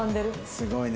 すごいね。